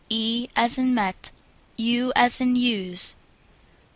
| E as in Met. | U as in Use.